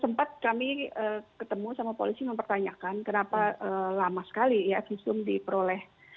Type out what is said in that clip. sempat kami ketemu sama polisi mempertanyakan kenapa lama sekali ya visum diperoleh